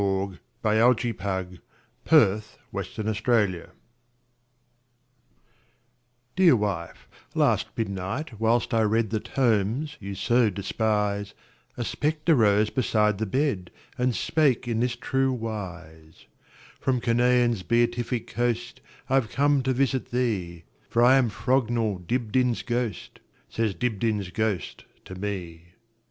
1900. By EugeneField 1045 Dibdin's Ghost DEAR wife, last midnight, whilst I readThe tomes you so despise,A spectre rose beside the bed, And spake in this true wise:"From Canaan's beatific coastI 've come to visit thee, For I am Frognall Dibdin's ghost,"Says Dibdin's ghost to me.